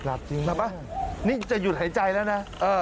จริงมาป่ะนี่จะหยุดหายใจแล้วนะ